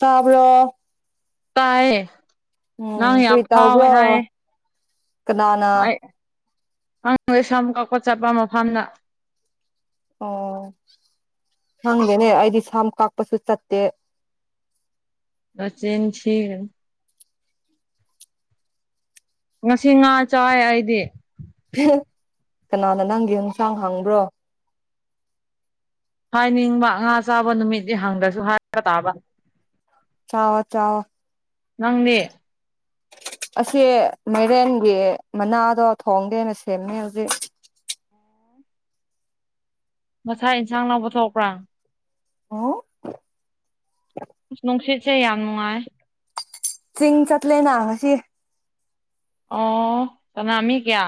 ꯇꯥꯕ꯭ꯔꯣ ꯇꯥꯌꯦ ꯅꯪ ꯎꯝ ꯌꯥꯝ ꯀꯔꯤ ꯐꯥꯎꯋꯦ ꯇꯥꯕ꯭ꯔꯣ ꯍꯥꯏꯌꯦ ꯀꯅꯥꯅ ꯑꯩ ꯅꯪ ꯁꯝ ꯀꯛꯄ ꯆꯠꯄ ꯃꯐꯝꯗ꯫ ꯑꯣ ꯈꯪꯗꯦꯅꯦ ꯑꯩꯗꯤ ꯁꯝ ꯀꯥꯛꯄꯁꯨ ꯆꯠꯇꯦ꯫ ꯅꯆꯤꯟ ꯊꯤꯒꯅꯨ꯫ ꯉꯁꯤ ꯉꯥ ꯆꯥꯏ ꯑꯩꯗꯤ꯫ [unintelligible] ꯀꯅꯥꯅ ꯅꯪꯒꯤ ꯌꯦꯟꯁꯥꯡ ꯍꯪꯕ꯭ꯔꯣ? ꯍꯥꯏꯅꯤꯡꯕ ꯉꯥ ꯆꯥꯕ ꯅꯨꯃꯤꯠꯗꯤ ꯍꯪꯗ꯭ꯔꯁꯨ ꯍꯥꯏꯕ ꯇꯥꯕ꯫ ꯆꯥꯑꯣ ꯆꯥꯑꯣ꯫ ꯅꯪꯗꯤ ꯑꯁꯦ ꯃꯥꯏꯔꯦꯟꯒꯤ ꯃꯅꯥꯗꯣ ꯊꯣꯡꯒꯦꯅ ꯁꯦꯝꯃꯦ ꯍꯧꯖꯤꯛ꯫ ꯉꯁꯥꯏ ꯏꯟꯁꯥꯡ ꯂꯧꯕ ꯊꯣꯛꯄ꯭ꯔꯥ꯫ ꯑꯣ ꯅꯨꯡꯁꯤꯠꯁꯦ ꯌꯥꯝ ꯅꯨꯡꯉꯥꯏ꯫ ꯆꯤꯡ ꯆꯠꯂꯦꯅ ꯉꯁꯤ꯫ ꯑꯣ ꯀꯅꯥ ꯃꯤ ꯀꯌꯥ꯫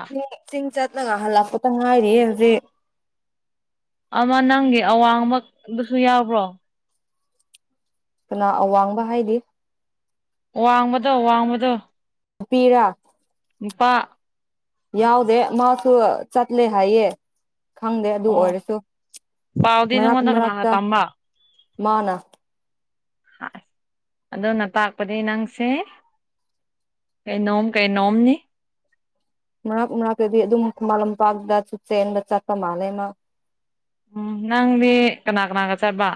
ꯆꯤꯡ ꯆꯠꯂꯒ ꯍꯜꯂꯛꯄꯗ ꯉꯥꯏꯔꯤꯌꯦ ꯍꯧꯖꯤꯛ꯫ ꯑꯃꯥ ꯅꯪꯒꯤ ꯑꯋꯥꯡꯕ ꯑꯗꯨꯁꯨ ꯌꯥꯎꯕ꯭ꯔꯣ꯫ ꯀꯅꯥ ꯑꯋꯥꯡꯕ ꯍꯥꯏꯗꯤ꯫ ꯋꯥꯡꯕꯗꯣ ꯋꯥꯡꯕꯗꯣ ꯅꯨꯄꯤꯔꯥ ꯅꯨꯄꯥ꯫ ꯌꯥꯎꯗꯦ ꯃꯥꯁꯨꯨ ꯆꯠꯂꯦ ꯍꯥꯏꯌꯦ꯫ ꯈꯪꯗꯦ ꯑꯗꯨ ꯑꯣ ꯑꯣꯏꯔꯁꯨ ꯄꯥꯎꯗꯤ ꯃꯔꯛ ꯅꯪꯉꯣꯟꯗ ꯀꯅꯥꯅ ꯃꯔꯛꯇ ꯇꯝꯕ ꯃꯥꯅ, ꯍꯥꯏ ꯑꯗꯨꯅ ꯇꯥꯛꯄꯗꯤ ꯅꯪꯁꯦ, ꯀꯩꯅꯣꯝ ꯀꯩꯅꯣꯝꯅꯤ꯫ ꯃꯔꯛ ꯃꯔꯛꯇꯗꯤ ꯑꯗꯨꯝ ꯈꯨꯃꯟ ꯂꯝꯄꯛꯇ ꯆꯦꯟꯕ ꯆꯠꯄ ꯃꯥꯜꯂꯦ ꯃꯥ꯫ ꯎꯝ ꯅꯪꯗꯤ ꯀꯅꯥ ꯀꯅꯥꯒ ꯆꯠꯄ?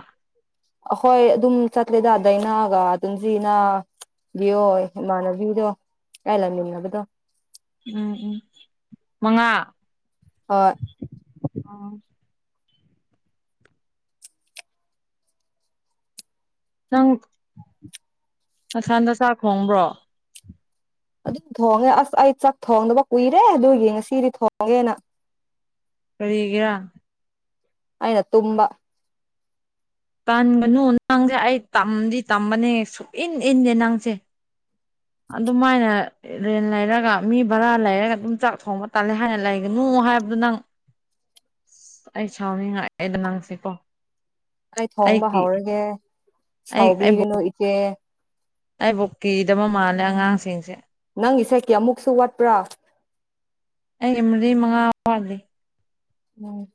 ꯑꯈꯣꯏ ꯑꯗꯨꯝ ꯆꯠꯂꯦꯗ ꯗꯩꯅꯒ ꯗꯨꯟꯖꯤꯅ꯫ ꯗꯤꯑꯣꯏ ꯏꯃꯥꯟꯅꯕꯤꯗꯣ ꯑꯥꯏ ꯂꯩꯃꯤꯟꯅꯕꯗꯣ꯫ ꯎꯝ ꯎꯝ ꯃꯉꯥ꯫ ꯍꯣꯏ꯫ ꯅꯪ ꯅꯊꯟꯗ ꯆꯥꯛ ꯈꯣꯡꯕ꯭ꯔꯣ? ꯑꯗꯨꯝ ꯊꯣꯡꯉꯦ ꯑꯁ ꯑꯩ ꯆꯥꯛ ꯊꯣꯡꯗꯕ ꯀꯨꯏꯔꯦ ꯑꯗꯨꯒꯤ ꯉꯁꯤꯗꯤ ꯊꯣꯡꯒꯦꯅ꯫ ꯀꯔꯤꯒꯤꯔ? ꯑꯩꯅ ꯇꯨꯝꯕꯥ꯫ ꯇꯟꯒꯅꯨ ꯅꯪꯖꯦ ꯑꯩ ꯇꯝꯗꯤ ꯇꯝꯕꯅꯦ ꯁꯨꯏꯟ ꯏꯟꯗꯦ ꯅꯪꯁꯦ꯫ ꯑꯗꯨꯃꯥꯏꯅ ꯔꯦꯟ ꯂꯩꯔꯒ ꯃꯤ ꯚꯔꯥ ꯂꯩꯔꯒ ꯑꯗꯨꯝ ꯆꯥꯛ ꯊꯣꯡꯕ ꯇꯥꯜꯂꯦ ꯍꯥꯏꯅ ꯂꯩ ꯒꯅꯨ ꯍꯥꯏꯕꯗꯣ ꯅꯪ ꯑꯩ ꯁꯥꯎꯅꯤꯡꯉꯛꯑꯦꯗ ꯑꯩꯁꯦ ꯀꯣ꯫ ꯑꯩ ꯊꯣꯡꯕ ꯍꯧꯔꯒꯦ ꯑꯩ ꯑꯩꯕꯨ ꯁꯥꯎꯕꯤꯒꯅꯨ ꯏꯆꯦ꯫ ꯑꯩꯕꯨ ꯀꯤꯗꯕ ꯃꯥꯜꯂꯦ ꯑꯉꯥꯡꯁꯤꯡꯁꯦ꯫ ꯅꯪꯒꯤꯁꯦ ꯀꯌꯥꯃꯨꯛꯁꯨ ꯋꯥꯠꯄ꯭ꯔꯥ? ꯑꯩꯒ ꯃꯔꯤ ꯃꯉꯥ ꯋꯠꯂꯤ꯫ ꯎꯝ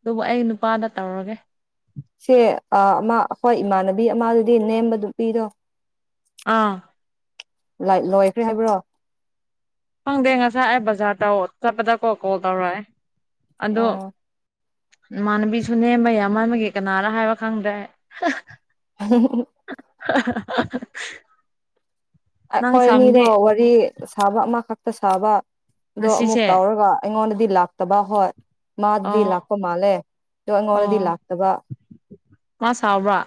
ꯑꯗꯨꯕꯨ ꯑꯩ ꯅꯨꯄꯥꯗ ꯇꯧꯔꯒꯦ꯫ ꯁꯦ ꯑꯥ ꯑꯃꯥ ꯑꯈꯣꯏ ꯏꯃꯥꯟꯅꯕꯤ ꯑꯃꯗꯨꯗꯤ ꯅꯦꯝꯕ ꯅꯨꯄꯤꯗꯣ꯫ ꯑꯥ ꯂꯥꯏꯠ ꯂꯣꯏꯈ꯭ꯔꯦ ꯍꯥꯏꯕ꯭ꯔꯣ? ꯈꯪꯗꯦ ꯉꯁꯥꯏ ꯑꯩ ꯕꯖꯥꯔ ꯇꯧ ꯆꯠꯄꯗꯀꯣ ꯀꯣꯜ ꯇꯧꯔꯛꯑꯦ ꯑꯗꯣ, ꯑꯣ ꯏꯃꯥꯟꯅꯕꯤꯁꯨꯅꯦ ꯃꯌꯥꯝꯕ ꯑꯃꯒꯤ ꯀꯅꯥꯔ ꯍꯥꯏꯕ ꯈꯪꯗ꯭ꯔꯦ ꯑꯩ꯫ [unintelligible] [unintelligible] ꯅꯪ ꯑꯩꯈꯣꯏ ꯑꯅꯤꯗꯣ ꯁꯝꯗꯤ ꯋꯥꯔꯤ ꯁꯥꯕ ꯑꯃꯈꯛꯇ ꯁꯥꯕ꯫ ꯑꯗꯣ ꯑꯃꯨꯛ ꯉꯁꯤꯁꯦ ꯇꯧꯔꯒ ꯑꯩꯉꯣꯟꯗꯗꯤ ꯂꯥꯛꯇꯕ ꯍꯣꯏ ꯃꯥꯗꯗꯤ ꯑꯣ ꯂꯥꯛꯄ ꯃꯥꯜꯂꯦ꯫ ꯑꯗꯣ ꯑꯩꯉꯣꯟꯗꯗꯤ ꯑꯣ ꯂꯥꯛꯇꯕ꯫ ꯃꯥ ꯁꯥꯎꯕ꯭ꯔꯥ?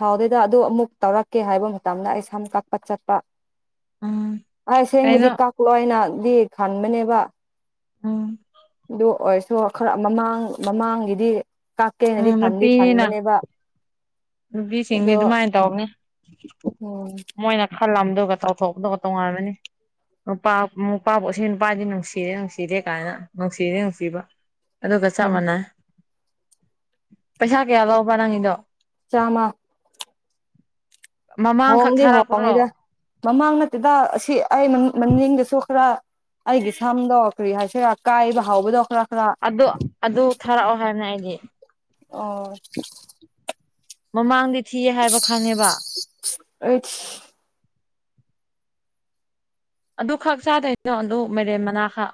ꯁꯥꯎꯗꯦꯗ ꯑꯗꯨ ꯑꯃꯨꯛ ꯇꯧꯔꯛꯀꯦ ꯍꯥꯏꯕ ꯃꯇꯝꯗ ꯑꯩ ꯁꯝ ꯀꯛꯄ ꯆꯠꯄ꯫ ꯎꯝ ꯑꯩ ꯁꯦꯡꯕꯗꯤ ꯀꯩꯅꯣ ꯀꯥꯛꯂꯣꯏꯅꯗꯤ ꯈꯟꯕꯅꯦꯕ꯫ ꯎꯝ ꯑꯗꯨ ꯑꯣꯏꯔꯁꯨ ꯈꯔ ꯃꯃꯥꯡ ꯃꯃꯥꯡꯒꯤꯗꯤ ꯎꯝ ꯀꯥꯛꯀꯦꯅꯗꯤ ꯈꯟꯗꯤ ꯅꯨꯄꯤꯅꯤꯅ ꯈꯟꯕꯅꯦꯕ꯫ ꯅꯨꯄꯤꯁꯤꯡꯗꯤ ꯑꯗꯣ ꯑꯗꯨꯃꯥꯏ ꯇꯧꯕꯅꯤ ꯎꯝ ꯃꯣꯏꯅ ꯈꯜꯂꯝꯗꯨꯒ ꯇꯧꯊꯣꯛꯄꯗꯨꯒ ꯇꯣꯉꯥꯟꯕꯅꯤ꯫ ꯅꯨꯄꯥ ꯅꯨꯄꯥꯕꯨ ꯑꯁꯤ ꯅꯨꯄꯁꯤ ꯅꯨꯡꯁꯤꯗꯦ ꯅꯨꯡꯁꯤꯗꯦ ꯀꯥꯏꯅ ꯅꯨꯡꯁꯤꯔꯦ ꯅꯨꯡꯁꯤꯕ꯫ ꯑꯗꯨꯒ ꯆꯞ ꯎꯝ ꯃꯥꯟꯅꯩ꯫ ꯄꯩꯁꯥ ꯀꯌꯥ ꯂꯧꯕ ꯅꯪꯒꯤꯗꯣ? ꯆꯥꯝꯃꯥ꯫ ꯃꯃꯥꯡꯈꯛ ꯍꯣꯡꯗꯤ ꯊꯥꯔꯛꯄ꯭ꯔꯣ ꯍꯣꯡꯉꯤꯗ ꯃꯃꯥꯡ ꯅꯠꯇꯦꯗ ꯑꯁꯤ ꯑꯩ ꯃꯅꯤꯡꯗꯁꯨ ꯈꯔ ꯑꯩꯒꯤ ꯁꯝꯗꯣ ꯀꯔꯤ ꯍꯥꯏꯁꯤꯔꯥ ꯀꯥꯏꯕ ꯍꯥꯎꯕꯗꯣ ꯈ꯭ꯔꯥ ꯈ꯭ꯔꯥ꯫ ꯑꯗꯨ ꯑꯗꯨ ꯊꯥꯔꯛꯑꯣ ꯍꯥꯏꯕꯅꯦ ꯑꯩꯗꯤ꯫ ꯑꯣ ꯃꯃꯥꯡꯗꯤ ꯊꯤꯌꯦ ꯍꯥꯏꯕ ꯈꯪꯉꯦꯕ꯫ ꯑꯥꯏꯁ ꯑꯗꯨ ꯈꯛ ꯆꯥꯗꯣꯏꯅꯣ ꯑꯗꯨ ꯃꯥꯏꯔꯦꯟ ꯃꯅꯥꯈꯛ꯫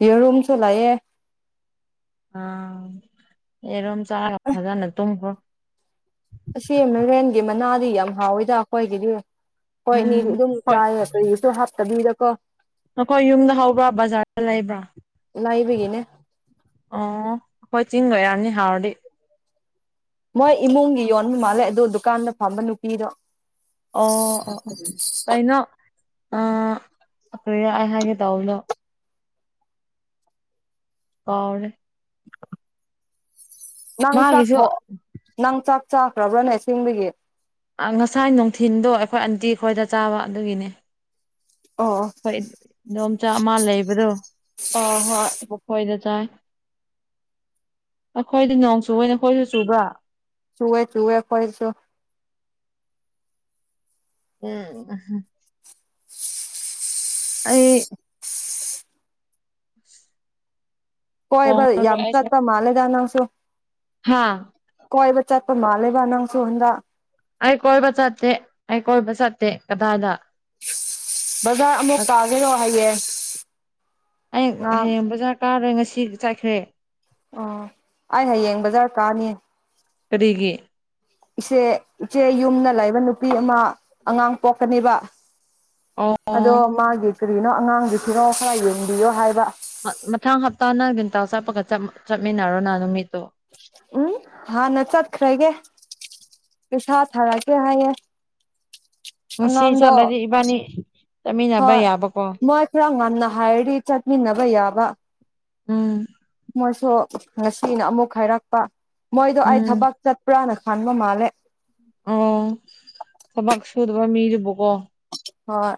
ꯌꯦꯔꯨꯝꯁꯨ ꯂꯩꯌꯦ꯫ ꯑꯥ ꯌꯦꯔꯨꯝ ꯆꯥꯔ ꯐꯖꯅ ꯇꯨꯝꯈ꯭ꯔꯣ꯫ ꯑꯁꯤ ꯃꯥꯏꯔꯦꯟꯒꯤ ꯃꯅꯥꯗꯤ ꯌꯥꯝ ꯍꯥꯎꯋꯤꯗ ꯑꯩꯈꯣꯏꯒꯤꯗꯤ꯫ ꯎꯝ ꯍꯣꯏꯅꯤꯗꯤ ꯑꯗꯨꯝ ꯍꯣꯏ ꯆꯥꯏꯌꯦ ꯀꯔꯤꯁꯨ ꯍꯥꯞꯇꯕꯤꯗꯀꯣ꯫ ꯅꯈꯣꯏ ꯌꯨꯝꯗ ꯍꯧꯕ꯭ꯔꯥ ꯕꯖꯥꯔꯗ ꯂꯩꯕ꯭ꯔꯥ? ꯂꯩꯕꯒꯤꯅꯦ ꯑꯣ ꯑꯈꯣꯏ ꯆꯤꯡ ꯂꯩꯔꯝꯅꯤ ꯍꯥꯎꯔꯗꯤ꯫ ꯃꯣꯏ ꯏꯃꯨꯡꯒꯤ ꯌꯣꯟꯕ ꯃꯥꯜꯂꯦ ꯑꯗꯨ ꯗꯨꯀꯥꯟꯗ ꯐꯝꯕ ꯅꯨꯄꯤꯗꯣ꯫ ꯑꯣ ꯑꯣ ꯑꯣ ꯀꯩꯅꯣ ꯑꯥ ꯀꯔꯤꯔꯥ ꯑꯩ ꯍꯥꯏꯒꯦ ꯇꯧꯕꯗꯣ꯫ ꯀꯥꯎꯔꯦ꯫ ꯅꯪ ꯃꯥꯒꯤꯁꯨ ꯆꯥꯛꯊꯣ ꯅꯪ ꯆꯥꯛ ꯆꯥꯈ꯭ꯔꯕ꯭ꯔꯥꯅꯦ ꯑꯁꯦꯡꯕꯒꯤ꯫ ꯑꯥ ꯉꯁꯥꯏ ꯅꯨꯡꯊꯤꯟꯗꯣ ꯑꯩꯈꯣꯏ ꯑꯟꯇꯤ ꯈꯣꯏꯗ ꯆꯥꯕ ꯑꯗꯨꯒꯤꯅꯦ꯫ ꯑꯣ ꯑꯣ ꯑꯈꯣꯏ ꯏꯗꯣꯝꯆꯥ ꯑꯃ ꯂꯩꯕꯗꯣ꯫ ꯑꯣ ꯍꯣꯏ ꯃꯈꯣꯏꯗ ꯆꯥꯏ ꯑꯩꯈꯣꯏꯗꯤ ꯅꯣꯡ ꯆꯨꯋꯦ ꯅꯈꯣꯏꯁꯨ ꯆꯨꯕ꯭ꯔꯥ? ꯆꯨꯋꯦ ꯆꯨꯋꯦ ꯑꯈꯣꯏꯁꯨ꯫ ꯎꯝ ꯑꯩ [unintelligible] ꯀꯣꯏꯕ ꯍꯣꯡꯉꯔꯣꯏ ꯌꯥꯝ ꯑꯩꯁꯨ ꯆꯥꯠꯄ ꯃꯥꯜꯂꯦꯗ ꯅꯪꯁꯨ꯫ ꯍꯥ ꯀꯣꯏꯕ ꯆꯥꯠꯄ ꯃꯥꯜꯂꯦꯕ ꯅꯪꯁꯨ ꯍꯥꯟꯗꯛ꯫ ꯑꯩ ꯀꯣꯏꯕ ꯆꯠꯇꯦ ꯑꯩ ꯀꯣꯏꯕ ꯆꯠꯇꯦ ꯀꯗꯥꯏꯗ꯫ ꯕꯖꯥꯔ ꯑꯃꯨꯛ ꯀꯥꯒꯦꯔꯣ ꯍꯌꯦꯡ꯫ ꯑꯩ ꯉꯍꯥꯛ ꯍꯌꯦꯡ ꯕꯖꯥꯔ ꯀꯥꯔꯣꯏ ꯉꯁꯤ ꯆꯥꯠꯈ꯭ꯔꯦ꯫ ꯑꯣ ꯑꯩ ꯍꯌꯦꯡ ꯕꯖꯥꯔ ꯀꯥꯅꯤ꯫ ꯀꯔꯤꯒꯤ꯫ ꯏꯆꯦ ꯏꯆꯦ ꯌꯨꯝꯗ ꯂꯩꯕ ꯅꯨꯄꯤ ꯑꯃ ꯑꯉꯥꯡ ꯄꯣꯛꯀꯅꯤꯕ꯫ ꯑꯣ ꯑꯗꯣ ꯃꯥꯒꯤ ꯀꯔꯤꯅꯣ ꯑꯉꯥꯡꯒꯤ ꯐꯤꯔꯣꯜ ꯈꯥꯔ ꯌꯦꯡꯕꯤꯌꯣ ꯍꯥꯏꯕ꯫ ꯃꯊꯥꯡ ꯍꯞꯇꯥ ꯅꯪ ꯆꯠꯄꯒ ꯆꯠꯃꯤꯟꯅꯔꯣꯅ ꯅꯨꯃꯤꯠꯇꯣ꯫ ꯎꯝ ꯍꯥꯟꯅ ꯆꯠꯈ꯭ꯔꯒꯦ꯫ ꯄꯩꯁꯥ ꯊꯥꯔꯛꯀꯦ ꯍꯥꯏꯌꯦ꯫ ꯉꯁꯤ ꯑꯉꯥꯡꯗꯣ ꯆꯠꯂꯗꯤ ꯏꯕꯥꯅꯤ ꯆꯠꯃꯤꯟꯅꯕ ꯌꯥꯕꯀꯣ꯫ ꯈꯥꯔ ꯉꯟꯅ ꯍꯥꯏꯔꯗꯤ ꯆꯠꯃꯤꯟꯅꯕ ꯌꯥꯕ꯫ ꯎꯝ ꯃꯣꯏꯁꯨ ꯉꯁꯤꯅ ꯑꯃꯨꯛ ꯍꯥꯏꯔꯛꯄ ꯃꯣꯏꯗꯣ ꯑꯩ ꯎꯝ ꯊꯕꯛ ꯆꯠꯄ꯭ꯔꯥꯅ ꯈꯟꯕ ꯃꯥꯜꯂꯦ꯫ ꯑꯣ ꯊꯕꯛ ꯁꯨꯗꯕ ꯃꯤꯗꯨꯕꯨꯀꯣ꯫ ꯍꯣꯏ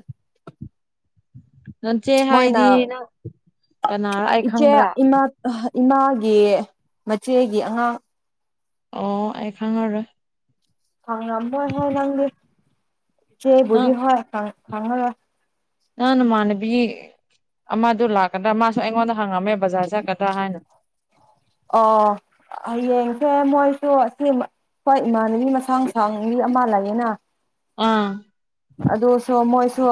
ꯅꯆꯦ ꯃꯣꯏꯅ ꯍꯥꯏꯗꯤ ꯅꯪ ꯀꯅꯥꯔ ꯑꯩ ꯈꯪꯕ꯭ꯔꯥ? ꯑ ꯏꯃꯥꯒꯤ ꯃꯆꯦꯒꯤ ꯑꯉꯥꯡ ꯑꯣ ꯑꯩ ꯈꯪꯉꯔꯣꯏ ꯈꯪꯉꯝꯔꯣꯏ ꯍꯦ ꯅꯪꯗꯤ ꯆꯦꯕꯨꯗꯤ ꯅꯪ ꯍꯣꯏ ꯈꯪꯉꯔꯣꯏ ꯅꯪ ꯅꯃꯥꯟꯅꯕꯤ ꯑꯃꯗꯨ ꯂꯥꯛꯀꯗ꯭ꯔꯥ ꯃꯥꯁꯨ ꯑꯩꯉꯣꯟꯗ ꯍꯪꯉꯝꯃꯦ ꯕꯖꯥꯔ ꯆꯠꯀꯗ꯭ꯔꯥ ꯍꯥꯏꯅ ꯑꯣ ꯍꯌꯦꯡꯁꯦ ꯃꯣꯏꯁꯨ ꯑꯁꯤꯃ ꯍꯣꯏ ꯏꯃꯥꯟꯅꯕꯤ ꯃꯁꯥꯡ ꯁꯥꯡꯒꯤ ꯑꯃ ꯂꯩꯌꯦꯅ ꯑꯥ ꯑꯗꯨꯁꯨ ꯃꯣꯏꯁꯨ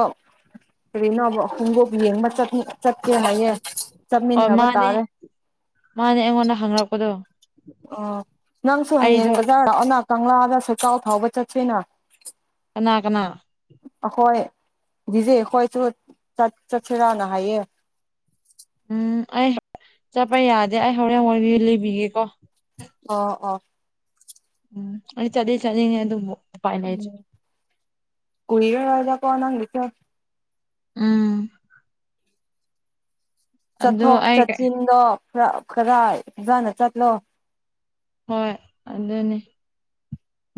ꯀꯔꯤꯅꯣꯕ ꯈꯣꯡꯒꯨꯞ ꯌꯦꯡꯕ ꯆꯠ [unintelligible] ꯆꯠꯆ‌ꯦ ꯍꯥꯏꯌꯦ ꯑꯣ ꯆꯠꯃꯤꯟꯅꯕ ꯃꯥꯅꯦ ꯇꯥꯔꯦ ꯃꯥꯅꯦ ꯑꯩꯉꯣꯟꯗ ꯍꯪꯔꯛꯄꯗꯣ ꯑꯣ ꯅꯪꯁꯨ ꯍꯌꯦꯡ ꯑꯩꯗꯣ ꯕꯖꯥꯔ ꯂꯥꯛꯑꯣꯅ ꯀꯪꯂꯥꯗ ꯁꯀꯥꯎ ꯊꯥꯎꯕ ꯆꯠꯁꯤꯅ ꯀꯅꯥ ꯀꯅꯥ ꯑꯈꯣꯏ ꯗꯤꯖ‌ꯦ ꯈꯣꯏꯁꯨ ꯆꯠ ꯆꯠꯁꯤꯔꯥꯅ ꯍꯥꯏꯌꯦ ꯎꯝ ꯑꯩ ꯆꯠꯄ ꯌꯥꯗꯦ ꯑꯩ ꯍꯧꯔꯦꯟ ꯋꯥꯔꯤ ꯂꯤꯕꯤꯒꯦꯀꯣ ꯑꯣ ꯑꯣ ꯎꯝ ꯑꯩ ꯆꯠꯇꯤ ꯆꯠꯅꯤꯡꯉꯦ ꯑꯗꯨꯕꯨ ꯎꯄꯥꯏ ꯂꯩꯇ꯭ꯔꯦ ꯎꯝ ꯀꯨꯏꯔꯔꯣꯏꯗ ꯀꯣ ꯅꯪꯒꯤꯁ‌ꯦ ꯎꯝ ꯑꯗꯨ ꯆꯠꯊꯣꯛ ꯑꯩ ꯆꯠꯁꯤꯟꯗꯣ ꯈꯔ ꯈꯔ ꯐꯖꯅ ꯆꯠꯂꯣ ꯍꯣꯏ ꯑꯗꯨꯅꯤ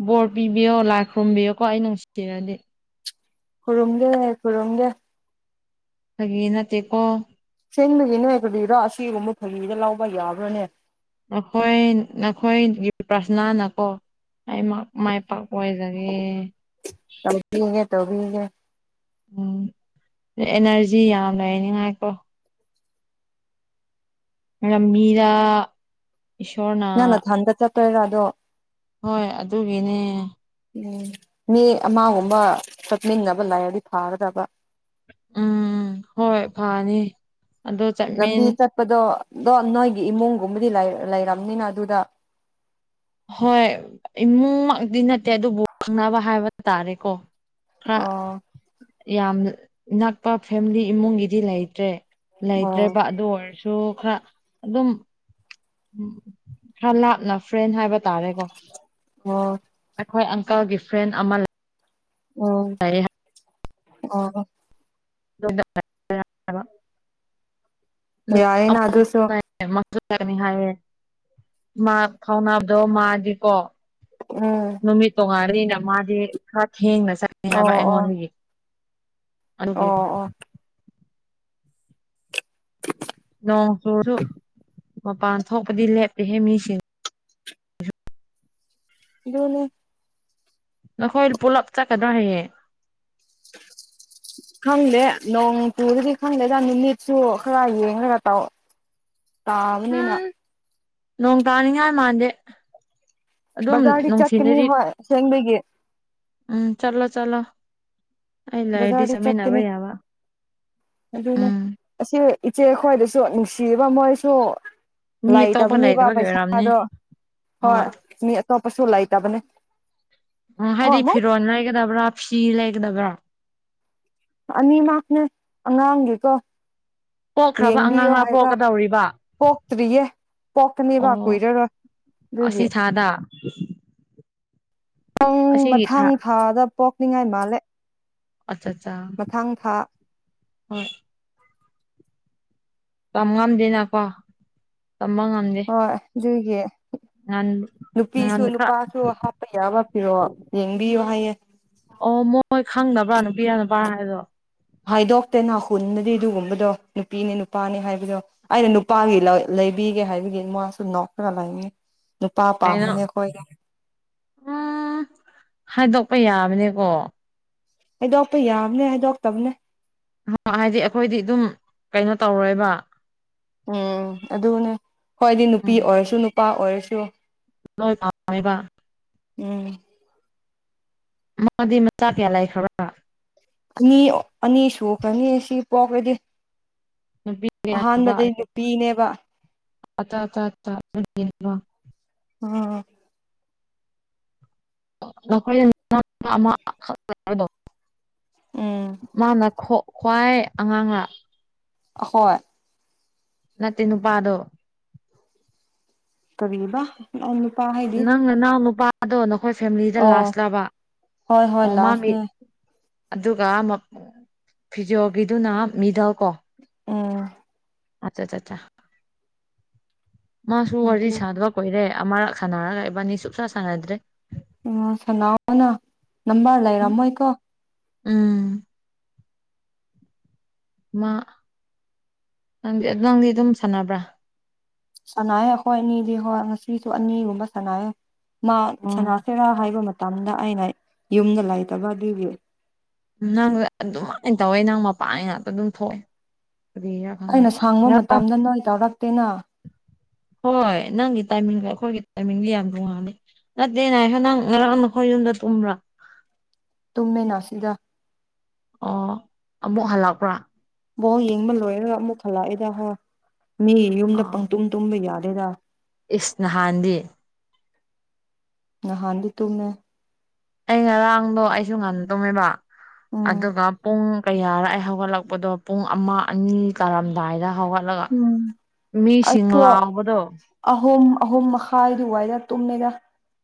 ꯕꯣꯔ ꯄꯤꯕꯤꯌꯣ ꯂꯥꯏ ꯈꯨꯔꯨꯝꯕꯤꯌꯣꯀꯣ ꯑꯩ ꯅꯨꯡꯁꯤꯔꯗꯤ ꯈꯨꯔꯨꯝꯒꯦ ꯈꯨꯔꯨꯝꯒꯦ ꯐꯥꯒꯤ ꯅꯠꯇꯦ ꯀꯣ ꯁꯦꯡꯕꯒꯤꯅꯦ ꯀꯔꯤꯔ ꯑꯁꯤꯒꯨꯝꯕ ꯐꯥꯒꯤꯗ ꯂꯧꯕ ꯌꯥꯕ꯭ꯔꯥꯅꯦ ꯅꯈꯣꯏ ꯅꯈꯣꯏꯒꯤ ꯄ꯭ꯔꯥꯊꯅꯥꯅꯀꯣ ꯑꯩ ꯃꯥꯛ ꯃꯥꯏ ꯄꯥꯛꯄ ꯑꯣꯏꯖꯒꯦ ꯇꯧꯕꯤꯒꯦ ꯇꯧꯕꯤꯒꯦ ꯎꯝ ꯑꯦꯅꯔꯖꯤ ꯌꯥꯝ ꯂꯩꯅꯤꯉꯥꯏꯀꯣ ꯔꯝꯃꯤꯗ ꯅꯪ ꯅꯊꯟꯇ ꯆꯠꯇꯣꯏꯔꯥ ꯑꯗꯣ ꯍꯣꯏ ꯑꯗꯨꯒꯤꯅꯦ ꯎꯝ ꯃꯤ ꯑꯃꯒꯨꯝꯕ ꯆꯠꯃꯤꯟꯅꯕ ꯂꯩꯔꯗꯤ ꯐꯒꯗꯕ ꯎꯝ ꯍꯣꯏ ꯐꯅꯤ ꯑꯗꯣ ꯆꯠꯃꯤꯟ ꯂꯝꯕꯤ ꯆꯠꯄꯗꯣ ꯗꯣ ꯅꯣꯏꯒꯤ ꯏꯃꯨꯡ ꯒꯨꯝꯕꯗꯤ ꯂꯩ ꯂꯩꯔꯝꯅꯤꯅ ꯑꯗꯨꯗ ꯍꯣꯏ ꯏꯃꯨꯡꯃꯛꯇꯤ ꯅꯠꯇꯦ ꯑꯗꯨꯕꯨ ꯈꯪꯅꯕ ꯍꯥꯏꯕ ꯇꯥꯔꯦꯀꯣ ꯈꯔ ꯑꯣ ꯌꯥꯝ ꯅꯛꯄ ꯐꯦꯝꯂꯤ ꯏꯃꯨꯡꯒꯤꯗꯤ ꯂꯩꯇ꯭ꯔꯦ ꯑꯣ ꯂꯩꯇ꯭ꯔꯦꯕ ꯑꯗꯨ ꯑꯣꯏꯔꯁꯨ ꯈꯔ ꯑꯗꯨꯝ ꯎꯝ ꯈ꯭ꯔ ꯂꯥꯞꯅ ꯐ꯭ꯔꯦꯟ ꯍꯥꯏꯕ ꯇꯥꯔꯦꯀꯣ ꯑꯣ ꯑꯩꯈꯣꯏ ꯑꯪꯀꯜꯒꯤ ꯐ꯭ꯔꯦꯟ ꯑꯃ ꯂ ꯎꯝ ꯑꯣ [unintelligible] ꯌꯥꯏꯌꯦꯅ ꯑꯗꯨꯁꯨ [unintelligible] ꯅꯤ ꯍꯥꯏꯌꯦ ꯃꯥ ꯐꯥꯎꯅꯕꯗꯣ ꯃꯥꯗꯤꯀꯣ ꯎꯝ ꯅꯨꯃꯤꯠ ꯇꯣꯉꯥꯜꯂꯤꯅ ꯃꯥꯗꯤ ꯈ꯭ꯔ ꯊꯦꯡꯅ ꯆꯠꯅꯤ ꯑꯣ ꯍꯥꯏꯕ ꯑꯣ ꯑꯩꯉꯣꯟꯗꯒꯤ ꯑꯣ ꯑꯗꯨꯒꯤ ꯑꯣ ꯅꯣꯡ ꯆꯨꯔꯁꯨ ꯃꯄꯥꯟ ꯊꯣꯛꯄꯗꯤ ꯂꯦꯞꯇꯦꯍꯦ ꯃꯤꯁꯤꯡ ꯗꯣꯂꯦ ꯅꯈꯣꯏ ꯄꯨꯂꯞ ꯆꯠꯀꯗ꯭ꯔꯣ ꯍꯌꯦꯡ [inaudible] ꯈꯪꯗꯦ ꯅꯣꯡ ꯆꯨꯔꯗꯤ ꯈꯪꯗꯦꯗꯥ ꯅꯨꯃꯤꯠꯁꯨ ꯈꯔ ꯌꯦꯡꯔꯒ ꯇꯧ ꯇꯥꯕꯅꯤꯅ ꯎꯝ ꯅꯣꯡ ꯇꯥꯅꯤꯡꯉꯥꯢ ꯃꯥꯟꯗꯦ ꯑꯗꯨꯝ ꯕꯥꯖꯥꯔꯗꯤ ꯆꯠꯀꯅꯤꯕ ꯅꯨꯡꯊꯤꯟꯗꯗꯤ ꯍꯣꯏ ꯑꯁꯦꯡꯕꯒꯤ ꯎꯝ ꯆꯠꯂꯣ ꯆꯂꯣ ꯑꯩ ꯂꯩꯔꯗꯤ ꯕꯖꯥꯔꯗꯤ ꯆꯠꯃꯤꯟꯅꯕ ꯆꯠꯀꯅꯤ ꯌꯥꯕ ꯑꯗꯨꯅꯦ ꯎꯝ ꯑꯁꯤ ꯏꯆꯦ ꯈꯣꯏꯗꯁꯨ ꯅꯨꯡꯁꯤꯕ ꯃꯣꯏꯁꯨ ꯃꯤ ꯑꯇꯣꯞꯄ ꯂꯩꯇꯕꯅꯦꯕ ꯂꯩꯇꯕꯒꯤ ꯑꯣꯏꯔꯝꯅꯤ ꯄꯩꯁꯥꯗꯣ ꯍꯣꯏ ꯃꯤ ꯑꯇꯣꯞꯄꯁꯨ ꯂꯩꯇꯕꯅꯦ ꯑꯝ ꯍꯣ ꯍꯥꯏꯗꯤ ꯑꯃꯨꯛ ꯐꯤꯔꯣꯟ ꯂꯩꯒꯗꯕ꯭ꯔꯥ ꯐꯤ ꯂꯩꯒꯗꯕ꯭ꯔꯥ ꯑꯅꯤꯃꯛꯅꯦ ꯑꯉꯥꯡꯒꯤꯀꯣ ꯄꯣꯛꯈ꯭ꯔꯕ ꯌꯦꯡꯕꯤꯌꯣ ꯑꯉꯥꯡꯂꯥ ꯍꯥꯏꯕ ꯄꯣꯛꯀꯗꯧꯔꯤꯕ ꯄꯣꯛꯇ꯭ꯔꯤꯌꯦ ꯄꯣꯛꯀꯅꯤꯕ ꯑꯣ ꯀꯨꯏꯔꯔꯣꯏ ꯑꯁꯤ ꯑꯗꯨꯒꯤ ꯊꯥꯗ ꯄꯪ ꯑꯁꯤꯒꯤ ꯊꯥ ꯃꯊꯥꯡ ꯊꯥꯗ ꯄꯣꯛꯅꯤꯡꯉꯥꯏ ꯃꯥꯜꯂꯦ ꯑꯠꯆꯥ ꯆꯥ ꯃꯊꯪ ꯊꯥ ꯍꯣꯏ ꯇꯝ ꯉꯝꯗꯦꯅꯀꯣ ꯇꯝꯕ ꯉꯝꯗꯦ ꯍꯣꯏ ꯑꯗꯨꯒꯤ ꯉꯥꯟ ꯅꯨꯄꯤꯁꯨ ꯉꯥꯟ ꯈꯔ ꯅꯨꯄꯥ ꯨ ꯐ꯭ꯂꯨ ꯍꯥꯞꯄ ꯌꯥꯕ ꯐꯤꯔꯣꯜ ꯌꯦꯡꯕꯤꯌꯣ ꯍꯥꯏꯌꯦ ꯑꯣ ꯃꯣꯏ ꯈꯪꯗꯕ꯭ꯔ ꯅꯨꯄꯤꯔ ꯅꯨꯄꯥꯥꯔ ꯍꯥꯏꯗꯣ ꯍꯥꯏꯗꯣꯛꯇꯦꯅ ꯍꯨꯟꯗꯗꯤ ꯑꯗꯨꯒꯨꯝꯕꯗꯣ ꯅꯨꯄꯤꯅꯦ ꯅꯨꯄꯥꯅꯦ ꯍꯥꯏꯕꯗꯣ ꯑꯩꯅ ꯅꯨꯄꯥꯒꯤ ꯂꯧ ꯂꯩꯕꯤꯒꯦ ꯍꯥꯏꯕꯒꯤ ꯃꯥꯁꯨ ꯅꯣꯛꯇꯅ ꯂꯩꯌꯦ ꯅꯨꯄꯥ ꯀꯩꯅꯣ ꯄꯥꯝꯕꯅꯦ ꯑꯈꯣꯢ ꯎꯝ ꯍꯥꯏꯗꯣꯛꯄ ꯌꯥꯕꯅꯦꯀꯣ ꯍꯥꯢꯗꯣꯛꯄ ꯌꯥꯝꯅꯦ ꯍꯥꯏꯗꯣꯛꯇꯝꯅꯦ ꯍꯥꯏꯗꯤ ꯑꯩꯈꯣꯏꯗꯤ ꯑꯗꯨꯝ ꯀꯩꯅꯣ ꯇꯧꯔꯣꯏꯕ ꯎꯝ ꯑꯗꯨꯅꯦ ꯍꯣꯏ ꯑꯩꯗꯤ ꯅꯨꯄꯤ ꯑꯣꯏꯔꯁꯨ ꯅꯨꯄꯥ ꯑꯣꯏꯔꯁꯨ ꯂꯣꯢ ꯄꯥꯃꯦꯕ ꯎꯝ ꯃꯥꯗꯤ ꯃꯆꯥ ꯀꯌꯥ ꯂꯩꯈ꯭ꯔꯥꯕ ꯑꯅꯤ ꯑꯅꯤ ꯁꯨꯈ꯭ꯔꯅꯤ ꯁꯤ ꯄꯣꯛꯔꯗꯤ ꯅꯨꯄꯤ ꯀꯌꯥ ꯑꯍꯥꯟꯕꯗꯤ ꯅꯨꯄꯤꯅꯦꯕ ꯑꯆꯥ ꯆꯥ ꯆꯥ [inaudible] [unintelligible] [inaudible] ꯎꯝ ꯈ꯭ꯋꯥꯏ ꯑꯉꯥꯡꯔ ꯑꯈꯣꯏ ꯅꯠꯇꯦ ꯅꯨꯄꯥꯗꯣ ꯀꯔꯤꯕ ꯅꯥꯎ ꯅꯨꯄꯥ ꯍꯥꯏꯗꯤ ꯅꯪ ꯅꯅꯥꯎ ꯅꯨꯄꯥꯗꯣ ꯅꯈꯣꯏ ꯐꯦꯝꯂꯤꯗ ꯑꯣ ꯂꯥꯁꯂꯕ ꯍꯣꯏ ꯍꯣꯏ ꯑꯣ ꯃꯥꯒꯤ ꯂꯥꯁꯅꯦ ꯑꯗꯨꯒ ꯐꯤꯖꯣꯒꯤꯗꯨꯅ ꯃꯤꯗꯜ ꯀꯣ ꯎꯝ ꯑꯆꯥꯆꯥꯆꯥ ꯃꯥꯁꯨ ꯋꯥꯔꯤ ꯊꯦꯡꯀ꯭ꯌꯨ ꯁꯥꯗꯕ ꯀꯣꯏꯔꯦ ꯑꯃꯔꯛ ꯁꯥꯟꯅꯔꯒ ꯏꯕꯥꯅꯤ ꯁꯨꯡꯁꯥ ꯁꯥꯟꯅꯗ꯭ꯔꯦ꯫ ꯑꯣ ꯁꯥꯟꯅꯧꯅ ꯅꯝꯕꯔ ꯎꯝ ꯂꯩꯔꯝꯃꯣꯏꯀꯣ꯫ ꯎꯝ ꯃꯥ ꯅꯪꯗꯤ ꯅꯪꯗꯤ ꯑꯗꯨꯝ ꯁꯥꯟꯅꯕ꯭ꯔꯥ? ꯁꯥꯟꯅꯩꯑꯦ ꯑꯩꯈꯣꯏ ꯑꯅꯤꯗꯤ ꯍꯣꯏ ꯉꯁꯤꯁꯨ ꯑꯅꯤꯒꯨꯝꯕ ꯁꯥꯟꯅꯩꯌꯦ꯫ ꯃꯥ ꯑꯣ ꯁꯥꯟꯅꯥꯁꯤꯔꯥ ꯍꯥꯏꯕ ꯃꯇꯝꯗ ꯑꯩꯅ ꯌꯨꯝꯗ ꯂꯩꯇꯕ ꯑꯗꯨꯒꯤ꯫ ꯅꯪ ꯑꯗꯨꯃꯥꯏꯅ ꯇꯧꯋꯦ ꯅꯪ ꯃꯄꯥꯟ ꯉꯥꯛꯇ ꯑꯗꯨꯝ ꯊꯣꯛꯑꯦ꯫ ꯀꯔꯤꯔꯥ ꯈꯪꯗꯦ ꯑꯩꯅ ꯁꯪꯕ ꯉꯔꯥꯡ ꯃꯇꯝꯗ ꯅꯣꯏ ꯇꯧꯔꯛꯇꯦꯅ ꯍꯣꯏ ꯅꯪꯒꯤ ꯇꯥꯏꯃꯤꯡꯒ ꯑꯩꯈꯣꯏꯒꯤ ꯇꯥꯏꯃꯤꯡꯒ ꯌꯥꯝ ꯇꯣꯉꯥꯜꯂꯦ꯫ ꯅꯠꯇꯦ ꯉꯥꯏꯈꯣ ꯅꯪ ꯉꯔꯥꯡ ꯅꯈꯣꯏ ꯌꯨꯝꯗ ꯇꯨꯝꯕ꯭ꯔꯥ? ꯇꯨꯝꯃꯦꯅ ꯁꯤꯗ꯫ ꯑꯣ ꯑꯃꯨꯛ ꯍꯜꯂꯛꯄ꯭ꯔꯥ? ꯕꯣꯜ ꯌꯦꯡꯕ ꯂꯣꯏꯔꯒ ꯑꯃꯨꯛ ꯍꯜꯂꯛꯏꯦꯗ ꯍꯥ ꯃꯤ ꯌꯨꯝꯗ ꯑꯣ ꯄꯪꯇꯨꯝ ꯇꯨꯝꯕ ꯌꯥꯗꯦꯗ꯫ ꯏꯁ ꯅꯍꯥꯟꯗꯤ꯫ ꯅꯍꯥꯟꯗꯤ ꯇꯨꯝꯃꯦ꯫ ꯑꯩ ꯉꯔꯥꯡꯗꯣ ꯑꯩꯁꯨ ꯉꯟꯅ ꯇꯨꯝꯃꯦꯕ ꯎꯝ ꯑꯗꯨꯒ ꯄꯨꯡ ꯀꯌꯥꯔ ꯑꯩ ꯍꯧꯒꯠꯂꯛꯄꯗꯣ ꯄꯨꯡ ꯑꯃ ꯑꯅꯤ ꯇꯥꯔꯝꯗꯥꯏꯗ ꯍꯧꯒꯠ ꯂꯒ ꯎꯝ ꯃꯤꯁꯤꯡ ꯑꯗꯣ ꯂꯥꯎꯕꯗꯣ ꯑꯍꯨꯝ ꯑꯍꯨꯝ ꯃꯈꯥꯏ ꯑꯗꯨ ꯋꯥꯏꯗ ꯇꯨꯝꯃꯦꯗ꯫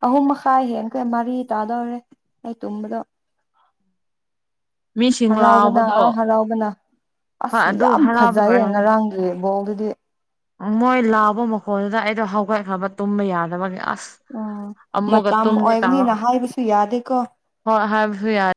ꯑꯍꯨꯝ ꯃꯈꯥꯏ ꯍꯦꯟꯈ꯭ꯔꯦ ꯃꯔꯤ ꯇꯥꯗꯧꯔꯦ ꯑꯩ ꯇꯨꯝꯕꯗꯣ꯫ ꯃꯤꯁꯤꯡ ꯍꯔꯥꯎꯕꯅ ꯑ ꯂꯥꯎꯕꯗꯣ ꯍꯔꯥꯎꯕꯅ ꯍꯣꯏ ꯑꯁ ꯑꯗꯨ ꯌꯥꯝ ꯍꯔꯥꯎꯕꯒꯤ ꯐꯖꯩ ꯑꯣꯏꯔꯝꯅꯤ ꯉꯔꯥꯡꯒꯤ ꯕꯣꯜꯗꯨꯗꯤ꯫ ꯃꯣꯏ ꯂꯥꯎꯕ ꯃꯈꯣꯟꯗꯨꯗ ꯑꯩꯗꯣ ꯍꯧꯒꯠꯈ꯭ꯔꯕ ꯇꯨꯝꯕ ꯌꯥꯗꯕꯒꯤ ꯑꯁ ꯑꯥ ꯑꯃꯨꯛꯀ ꯃꯇꯝ ꯇꯨꯝꯒꯦ ꯇꯧꯔ ꯑꯣꯏꯕꯅꯤꯅ ꯍꯥꯏꯕꯁꯨ ꯌꯥꯗꯦꯀꯣ꯫ ꯍꯣꯏ ꯍꯥꯏꯕꯁꯨ ꯌꯥ